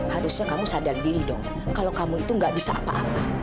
harusnya kamu sadar diri dong kalau kamu itu nggak bisa apa apa